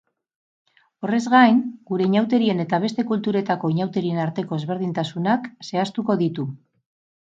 Horrez gain, gure inauterien eta beste kulturetako inauterien arteko ezberdintasunak zehaztuko ditu.